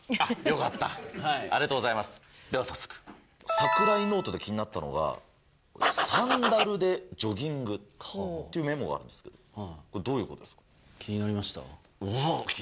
櫻井ノートで気になったのがサンダルでジョギングというメモがあるんですけれどこれ、どういうことですか。